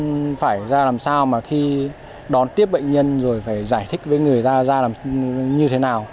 tiếp cận bệnh nhân phải ra làm sao mà khi đón tiếp bệnh nhân rồi phải giải thích với người ta ra làm như thế nào